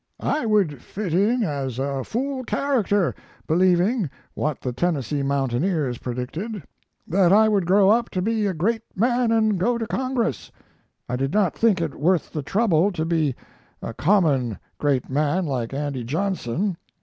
I would fit in as a fool character, believing, what the Tennessee mountaineers predicted, that I would grow up to be a great man and go to Congress. I did not think it worth the trouble to be a common great man like Andy Johnson.